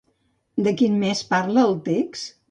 De qui més parla el text?